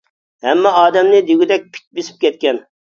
ھەممە ئادەمنى دېگۈدەك پىت بېسىپ كەتكەن.